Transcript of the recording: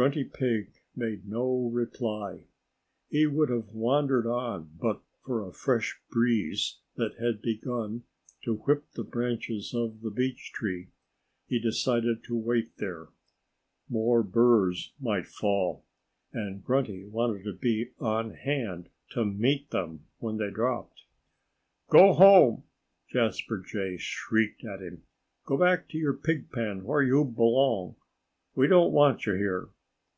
Grunty Pig made no reply. He would have wandered on, but for a fresh breeze that had begun to whip the branches of the beech tree. He decided to wait there. More burs might fall. And Grunty wanted to be on hand to meet them when they dropped. "Go home!" Jasper Jay shrieked at him. "Go back to your pigpen where you belong. We don't want you here."